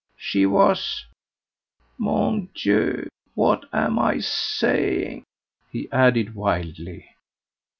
she was Mon Dieu! what am I saying?" he added wildly.